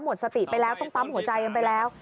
หมดสติไปแล้วปั๊บหัวใจไปแล้ว